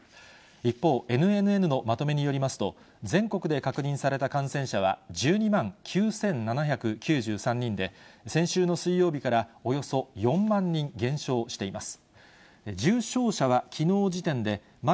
一方、ＮＮＮのまとめによりますと、全国で確認された感染者は、１２万９７９３人で、先週の水曜日からおよそ４万人減少しています。